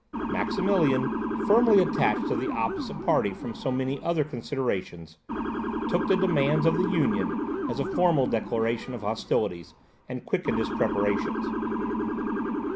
Maximilian, firmly attached to the opposite party from so many other considerations, took the demands of the Union as a formal declaration of hostilities, and quickened his preparations.